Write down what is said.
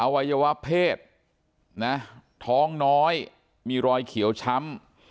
วัยวะเพศท้องน้อยมีรอยเขียวช้ำ